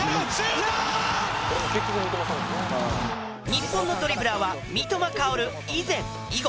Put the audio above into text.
日本のドリブラーは三笘薫以前以後。